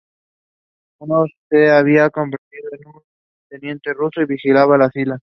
Uno se había convertido en un teniente ruso, y vigilaba la fila.